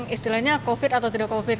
istilahnya covid atau tidak covid